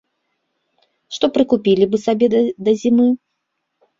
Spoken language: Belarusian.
Што прыкупілі бы сабе да зімы?